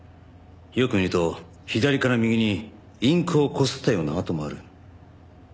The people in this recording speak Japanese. よく見ると左から右にインクをこすったような跡もある。